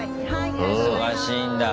忙しいんだ。